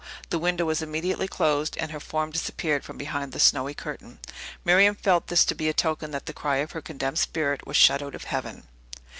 The window was immediately closed, and her form disappeared from behind the snowy curtain. Miriam felt this to be a token that the cry of her condemned spirit was shut out of heaven.